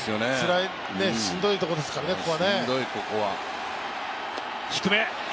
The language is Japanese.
しんどいところですからね、ここ。